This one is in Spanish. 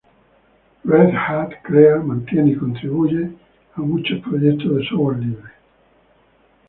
Red Hat crea, mantiene y contribuye a muchos proyectos de software libre.